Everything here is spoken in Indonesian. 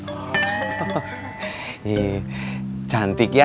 oh cantik ya